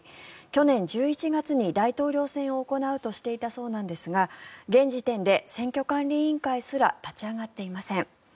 去年１１月に大統領選を行うとしていたそうなんですが現時点で選挙管理委員会すら立ち上がっていません。